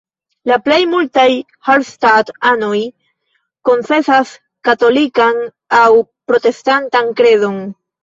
La plej multaj Hallstatt-anoj konfesas katolikan aŭ protestantan kredon.